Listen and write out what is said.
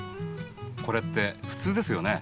これってふつうですよね？